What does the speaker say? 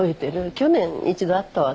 去年一度会ったわね。